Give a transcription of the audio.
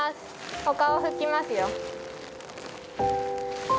お顔、拭きますよ。